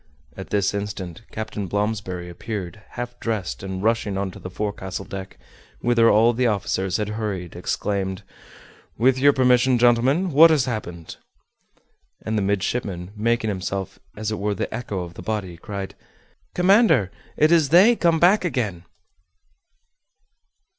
At this instant Captain Blomsberry appeared, half dressed, and rushing on to the forecastle deck, whither all the officers had hurried, exclaimed, "With your permission, gentlemen, what has happened?" And the midshipman, making himself as it were the echo of the body, cried, "Commander, it is 'they' come back again!"